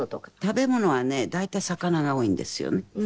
食べ物はね大体魚が多いんですよね。